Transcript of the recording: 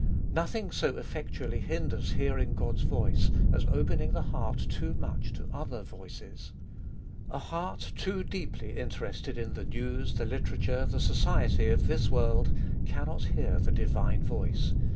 3. Nothing so effectually hinders hearing God's voice as opening the heart too much to other voices. A hear too deeply interested In the news, the literature, the society of this world, can not hear the divine uolce.